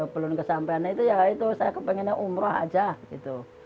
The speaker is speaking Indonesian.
belum kesampean itu ya itu saya kepengennya umroh aja gitu